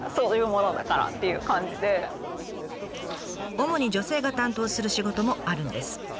主に女性が担当する仕事もあるんです。